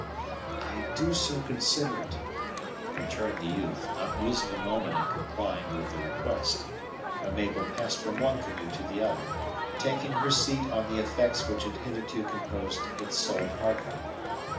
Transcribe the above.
"I do so consider it," returned the youth, not losing a moment in complying with the request; when Mabel passed from one canoe to the other taking her seat on the effects which had hitherto composed its sole cargo.